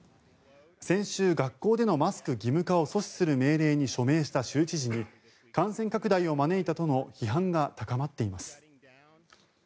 先週、学校でのマスク義務化を阻止する命令に署名した州知事に感染拡大を招いたとの批判が高まっています。